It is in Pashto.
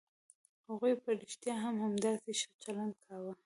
هغوی په رښتيا هم همداسې ښه چلند کاوه.